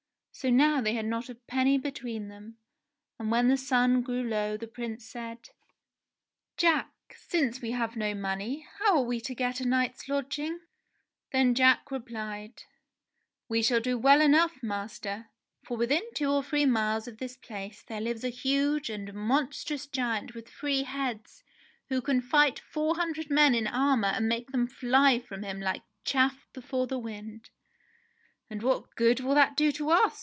So now they had not a penny between them, and when the sun grew low the Prince said : "Jack ! Since we have no money how are we to get a night's lodging ?" Then Jack replied, "We shall do well enough, Master; for within two or three miles of this place there lives a huge and monstrous giant with three heads who can fight four hundred men in armour and make them fly from him like chaff before the wind." "And what good will that be to us?"